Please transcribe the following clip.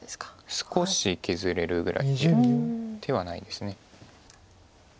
少し削れるぐらいで手はないです。